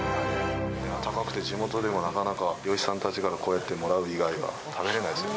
高くて地元でもなかなか漁師さんたちが、こうやってもらう以外は食べれないですよね。